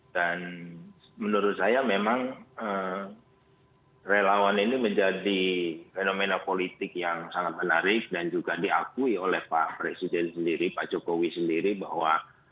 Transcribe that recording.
dan menurut saya memang relawan ini menjadi fenomena politik yang sangat menarik dan juga diakui oleh pak presiden sendiri pak jokowi sendiri bahwa